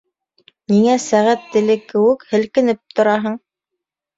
Ниңә сәғәт теле кеүек һелкенеп тораһың?